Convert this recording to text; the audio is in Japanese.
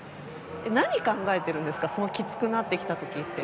何を考えてるんですかきつくなった時って。